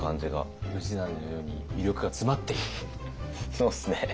そうっすね。